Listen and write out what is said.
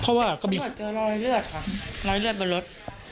เพราะว่าก็มีมีหลอยเรือดค่ะหลอยเรือดบนรถ